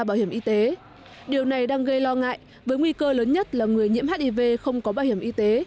bảo hiểm y tế điều này đang gây lo ngại với nguy cơ lớn nhất là người nhiễm hiv không có bảo hiểm y tế